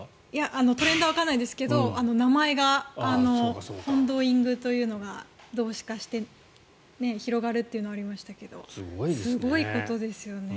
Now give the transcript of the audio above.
トレンドはわからないんですけど名前がコンドーイングというのが動詞化して広がるというのがありましたがすごいことですよね。